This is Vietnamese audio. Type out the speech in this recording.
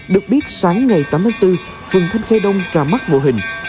được biết sáng ngày tám tháng bốn phường thanh khê đông ra mắt mô hình